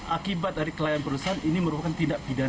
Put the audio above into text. akibat dari kelalaian perusahaan ini merupakan tindak pidana